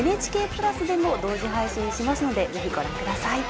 「ＮＨＫプラス」でも同時配信しますのでぜひ、ご覧ください。